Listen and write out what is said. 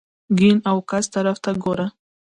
ګېڼ او ګس طرف ته ګوره !